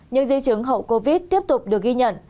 những di chứng hậu covid tiếp tục được ghi nhận